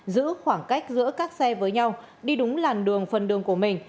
giữ khoảng cách giữa các xe với nhau đi đúng làn đường phần đường của mình